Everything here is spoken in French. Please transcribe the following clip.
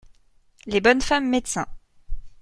Les bonnes femmes médecins.